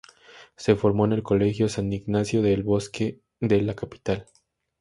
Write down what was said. Se formó en el Colegio San Ignacio de El Bosque de la capital.